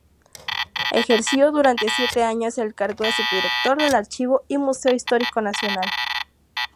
Ejerció durante siete años el cargo de subdirector del Archivo y Museo Histórico Nacional.